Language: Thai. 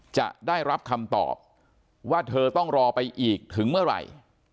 จะได้รับคำตอบว่าเธอต้องรอไปอีกถึงเมื่อไหร่